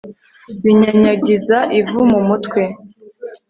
binyanyagiza ivu mu mutwe